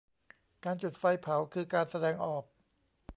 การจุดไฟเผา คือการแสดงออก